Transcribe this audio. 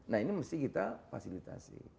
nah ini mesti kita fasilitasi